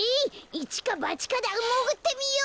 いちかばちかだもぐってみよう！